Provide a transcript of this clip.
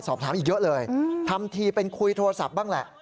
สอบถามอีกเยอะเลยทำทีเป็นคุยโทรศัพท์บ้างแหละ